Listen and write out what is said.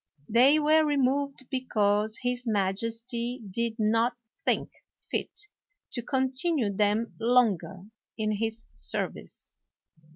They were removed because his majesty did not think fit to continue them longer in his service.